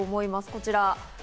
こちら。